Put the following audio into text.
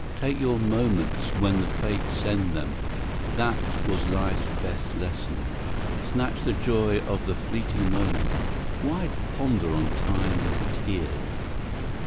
Take your moments when the fates send them; that was life's best lesson. Snatch the joy of the fleeting moment. Why ponder on time and tears?